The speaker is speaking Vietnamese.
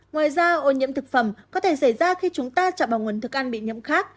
ngoài ra ô nhiễm thực phẩm có thể xảy ra khi chúng ta chạm vào nguồn thức ăn bị nhiễm khác